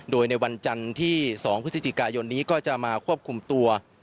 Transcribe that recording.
โดยในวันจันทร์ที่๒พฤศจิกายนนี้ก็จะมาควบคุมตัว